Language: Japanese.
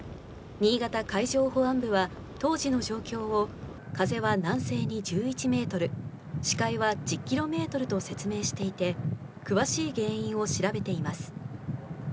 新潟海上保安部は当時の状況を、風は南西に１１メートル、視界は１０キロメートルと説明していて、詳しい原因を調べています。